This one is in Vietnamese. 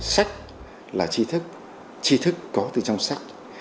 sách là chi thức tri thức có từ trong sách